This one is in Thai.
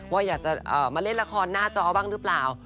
ว่าอยากจะมาเล่นละครหน้าจอบ้างหรือเปล่า